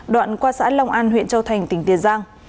đoạn qua xã long an huyện châu thành tỉnh tiền giang